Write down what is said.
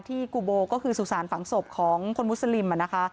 กูโบก็คือสุสานฝังศพของคนมุสลิมนะคะ